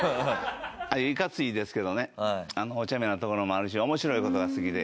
いかついですけどねおちゃめなところもあるし面白い事が好きで。